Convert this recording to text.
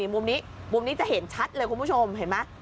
มุมนี้จะเห็นชัดเลยคุณผู้ชมเห็นมั้ย